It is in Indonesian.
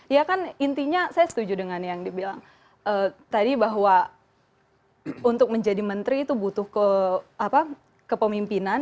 ya kan intinya saya setuju dengan yang dibilang tadi bahwa untuk menjadi menteri itu butuh kepemimpinan